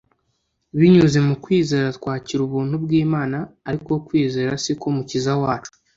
Binyuze mu kwizera twakira ubuntu bw’Imana; ariko kwizera siko Mukiza wacu